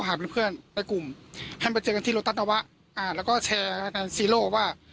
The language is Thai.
หาเพื่อนในกลุ่มให้ไปเจอกันที่โรตัสนาวะอ่าแล้วก็แชร์ในว่า